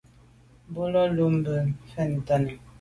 Boa bo lo bumte mfe ntàne.